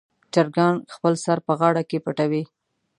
چرګان خپل سر په غاړه کې پټوي.